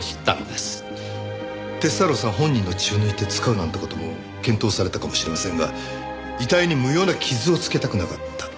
鐵太郎さん本人の血を抜いて使うなんて事も検討されたかもしれませんが遺体に無用な傷を付けたくなかった。